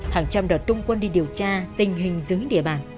hàng trăm đợt tung quân đi điều tra tình hình dứng địa bàn